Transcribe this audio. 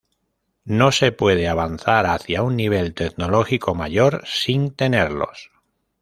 No se puede avanzar hacia un nivel tecnológico mayor sin tenerlos.